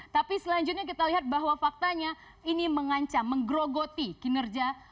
tapi selanjutnya kita lihat bahwa faktanya ini mengancam menggerogoti kinerja